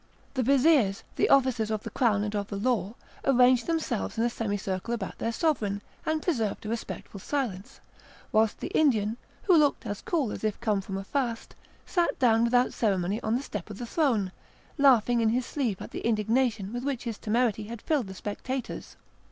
The vizirs, the officers of the crown and of the law, arranged themselves in a semicircle about their sovereign, and preserved a respectful silence, whilst the Indian, who looked as cool as if come from a fast, sat down without ceremony on the step of the throne, laughing in his sleeve at the indignation with which his temerity had filled the spectators.